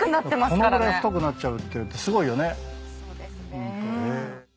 このぐらい太くなっちゃうってすごいよね。